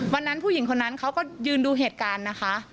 วันนั้นผู้หญิงคนนั้นเขาก็ยืนดูเหตุการณ์นะคะ